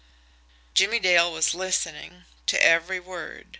Jimmie Dale was listening to every word.